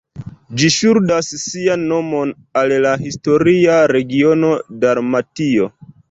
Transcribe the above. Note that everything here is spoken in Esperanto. Ĝi ŝuldas sian nomon al la historia regiono Dalmatio.